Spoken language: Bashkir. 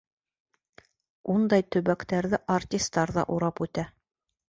Ундай төбәктәрҙе артистар ҙа урап үтә.